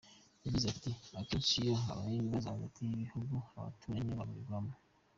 Yagize ati “Akenshi iyo habaye ibibazo hagati y’ibihugu, abaturage ni bo babigwamo.